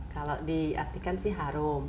kalau diartikan sih harum